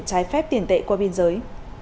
trái phép tiền tệ qua biên giới